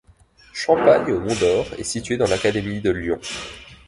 Champagne-au-Mont-d'Or est située dans l'académie de Lyon.